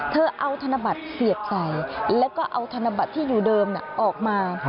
เธอเอาธนบัตรเสียบใส่แล้วก็เอาธนบัตรที่อยู่เดิมออกมา